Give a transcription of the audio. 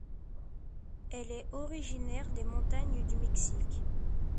Elle est originaire des montagnes du Mexique.